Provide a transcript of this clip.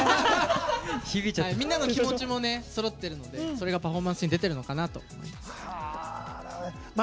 みんなの気持ちもそろっているのでそれがパフォーマンスに出てるのかなと思います。